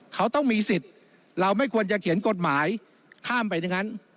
เขาต้องมีสิทธิ์เราไม่ควรจะเขียนกฎหมายข้ามไปอย่างนั้น